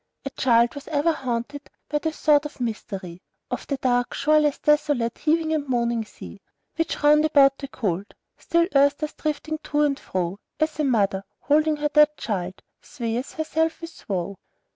A child was ever haunted by a thought of mystery, Of the dark, shoreless, desolate, heaving and moaning sea, Which round about the cold, still earth goes drifting to and fro, As a mother, holding her dead child, swayeth herself with woe.